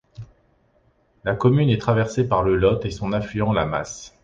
La commune est traversée par le Lot et son affluent la Masse.